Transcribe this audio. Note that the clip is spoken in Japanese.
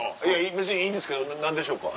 別にいいんですけど何でしょうか？